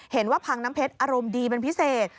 เห็นว่าพังน้ำเพชรอารมณ์ดีเป็นพิเศษ